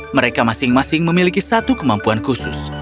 mereka masing masing memiliki satu kemampuan khusus